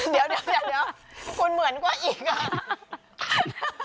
เดี๋ยวคุณเหมือนกว่าอีกอ่ะ